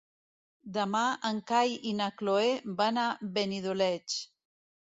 Demà en Cai i na Cloè van a Benidoleig.